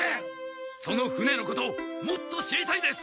その船のこともっと知りたいです！